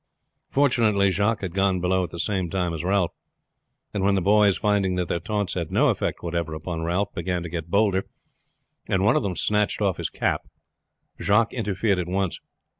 Fortunately Jacques had gone below at the same time as Ralph; and when the boys, finding that their taunts had no effect whatever upon Ralph, began to get bolder, and one of them snatched off his cap, Jacques interfered at once.